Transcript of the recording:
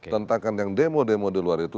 tentakan yang demo demo di luar itu